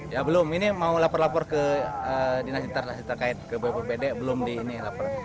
ya belum ini mau lapor lapor ke dinasitar dinasitar kait ke bppd belum di lapor